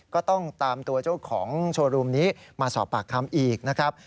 ก็ต้องตามตัวเจ้าของโชว์รูมนี้มาสอบปากคำอีกนะครับ